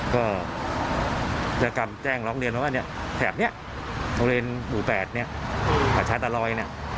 ก็เจอกันแจ้งร้องเรียนว่าแถบนี้โรงเรียนบุ๋๘หัวชาติอารอย